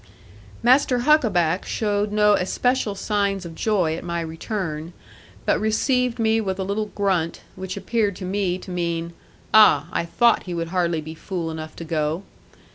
Master Huckaback showed no especial signs of joy at my return; but received me with a little grunt, which appeared to me to mean, 'Ah, I thought he would hardly be fool enough to go.'